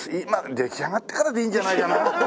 出来上がってからでいいんじゃないかな。